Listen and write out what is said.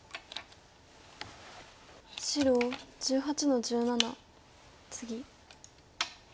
白１８の十七ツギ。